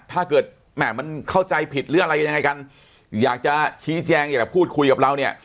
ถ้าเกิดแหม่มันเข้าใจผิดหรืออะไรยังไงกันอยากจะชี้แจงอยากจะพูดคุยกับเราเนี่ย